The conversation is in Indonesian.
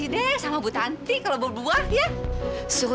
we venus nih ini how water spark kasih para pengikut